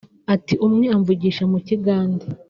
Ati “Umwe amvugisha mu Kigande